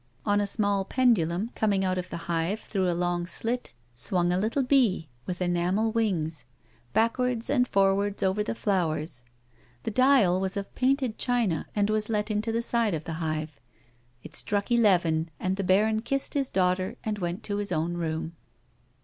On a small pendulum, coming A WOMAN'S LIFE. 15 out of the hive through a long slit, swung a little bee, with enamel wings, backwards and forwards over the flowers ; the dial was of painted china and was let into the side of the hive. It struck eleven, and the baron kissed his daughter and went to his own room.